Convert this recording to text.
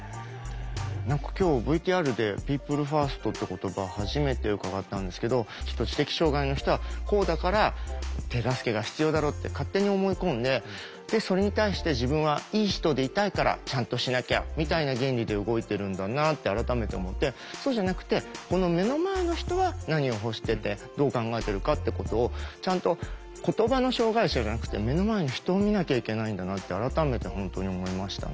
何か今日ＶＴＲでピープルファーストって言葉初めて伺ったんですけど知的障害の人はこうだから手助けが必要だろうって勝手に思い込んでそれに対して自分はいい人でいたいからちゃんとしなきゃみたいな原理で動いてるんだなって改めて思ってそうじゃなくてこの目の前の人は何を欲しててどう考えてるかってことをちゃんと言葉の障害者じゃなくて目の前の人を見なきゃいけないんだなって改めて本当に思いましたね。